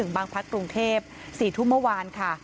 บางพักกรุงเทพ๔ทุ่มเมื่อวานค่ะ